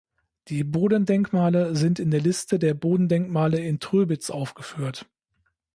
Die Bodendenkmale sind in der Liste der Bodendenkmale in Tröbitz aufgeführt.